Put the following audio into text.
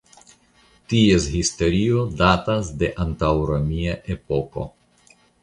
Ties historio datas de antaŭromia epoko.